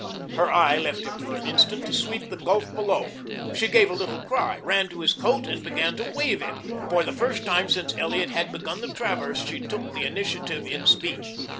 Her eye left him for an instant to sweep the gulf below. She gave a little cry, ran to his coat, and began to wave it. For the first time since Elliot had begun the traverse she took the initiative in speech.